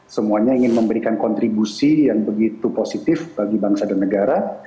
semuanya ingin memberikan kontribusi yang begitu positif bagi bangsa dan negara